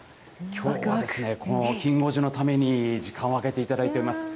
きょうはこのきん５時のために時間を空けていただいてます。